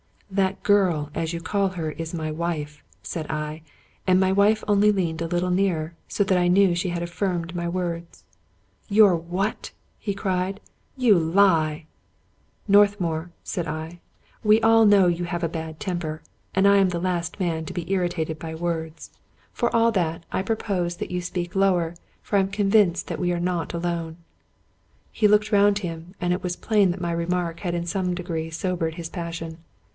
" That girl, as you call her, is my wife," said I ; and my wife only leaned a little nearer, so that I knew she had af firmed my words. '' Your what ?" he cried. " You lie I "*' Northmour," I said, " we all know you have a bad tem per, and I am the last man to be irritated by words. For all I8S Scotch Mystery Stories that, I propose that you speak lower, for I am convinced that we are not alone." He looked round him, and it was plain my remark had in some degree sobered his passion.